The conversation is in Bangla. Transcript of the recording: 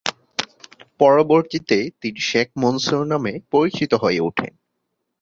পরবর্তীতে তিনি শেখ মনসুর নামে পরিচিত হয়ে উঠেন।